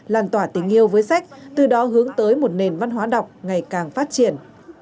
làn tỏa tình yêu với sách từ đó hướng tới một nền văn hóa đọc ngày càng phát triển